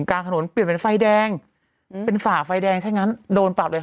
อันนี้แรงมากอันนี้ไม่ได้